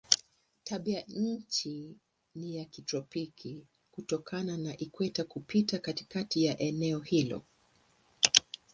Tabianchi ni ya kitropiki kutokana na ikweta kupita katikati ya eneo hilo.